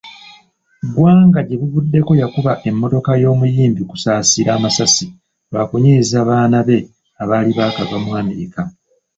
Gwanga gyebuvuddeko yakuba emmotoka y'omuyimbi Kusasira amasasi lwakunyiiza baana be abaali baakava mu America.